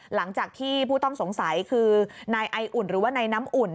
หลังจากที่ผู้ต้องสงสัยคือนายไออุ่นหรือว่านายน้ำอุ่น